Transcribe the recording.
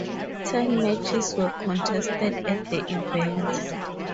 Ten matches were contested at the event.